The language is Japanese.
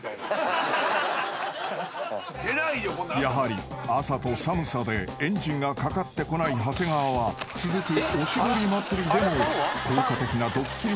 ［やはり朝と寒さでエンジンがかかってこない長谷川は続くおしぼり祭りでも］